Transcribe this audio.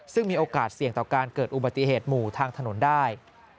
ซึ่งมีโอกาสเสี่ยงต่อการเกิดอุบัติเหตุหมู่ทางถนนได้